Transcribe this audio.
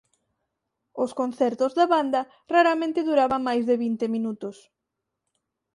Os concertos da banda raramente duraban máis de vinte minutos.